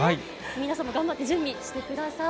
皆さんも頑張って準備してください。